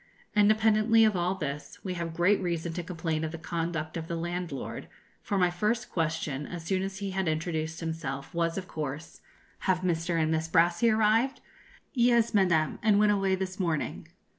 Independently of all this, we have great reason to complain of the conduct of the landlord, for my first question, as soon as he had introduced himself, was, of course, 'Have Mr. and Miss Brassey arrived?' 'Yes, Madame, and went away this morning.'